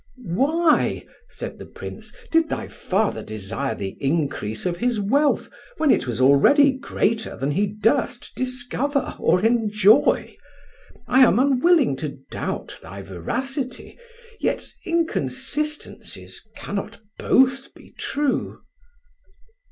"Why," said the Prince, "did thy father desire the increase of his wealth when it was already greater than he durst discover or enjoy? I am unwilling to doubt thy veracity, yet inconsistencies cannot both be true."